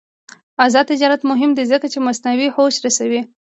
آزاد تجارت مهم دی ځکه چې مصنوعي هوش رسوي.